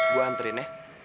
gue anterin ya